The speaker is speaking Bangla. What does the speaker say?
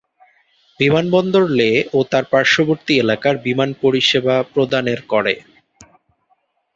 বিমানবন্দর লে ও তার পার্শবর্তী এলাকার বিমান পরিসেবা প্রদানের করে।